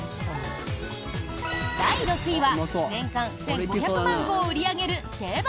第６位は年間１５００万個を売り上げる定番